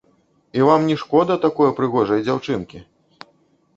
І вам не шкода такое прыгожае дзяўчынкі?